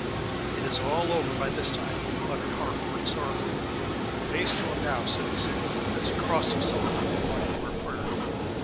"It is all over by this time," muttered Harcourt, sorrowfully. "Pace to him now!" said the sailor, as he crossed himself, and went over a prayer.